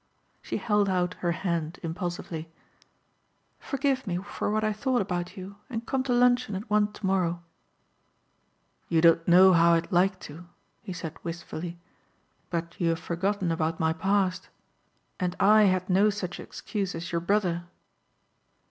She held out her hand impulsively. "Forgive me for what I thought about you and come to luncheon at one tomorrow." "You don't know how I'd like to," he said wistfully, "but you have forgotten about my past; and I had no such excuse as your brother."